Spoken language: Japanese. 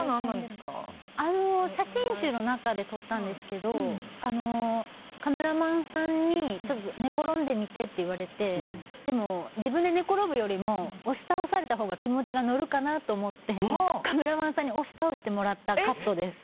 写真集の中で撮ったんですけどカメラマンさんに寝転んでみてって言われてでも、自分で寝転ぶよりも押し倒されたほうが気持ちが乗るかなと思ってカメラマンさんに押し倒してもらったカットです。